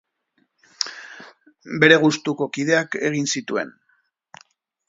Bere gustuko kideak egin zituen.